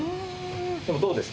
でもどうです？